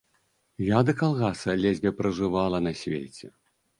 Я да калгаса ледзьве пражывала на свеце.